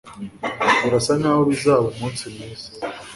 Birasa nkaho bizaba umunsi mwiza.